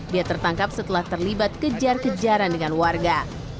dia tertangkap setelah terlibat kejar kejaran dengan warga